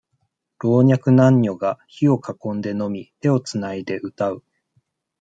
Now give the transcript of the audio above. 老若男女が、火を囲んで飲み、手をつないで歌う。